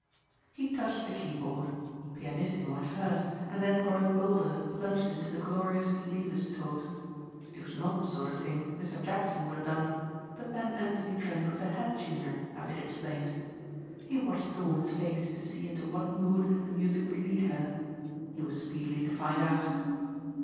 He touched the keyboard pianissimo at first and then growing bolder plunged into the glorious Liebestod. It was not the sort of thing Mr. Jackson would have done but then Anthony Trent was a head tuner as he had explained. He watched the woman's face to see into what mood the music would lead her. He was speedily to find out.